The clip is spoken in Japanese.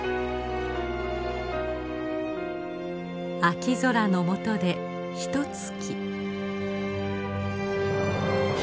秋空の下でひとつき。